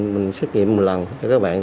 mình xét nghiệm một lần